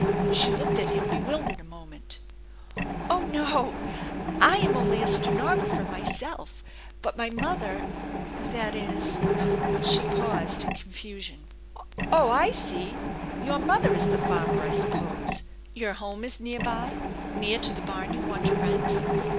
She looked at him bewildered a moment. " Oh, no ! I am only a stenographer myself but my mother that is " she paused in confusion. " Oh, I see, your mother is the farmer, I suppose. Your home is near by near to the barn you want to rent?"